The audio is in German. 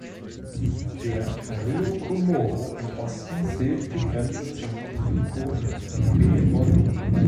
Der Rio Comoro im Osten bildet die Grenze zum Suco Bebonuk.